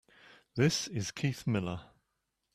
This is Keith Miller.